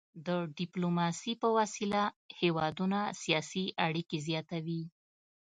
د ډيپلوماسي په وسيله هیوادونه سیاسي اړيکي زیاتوي.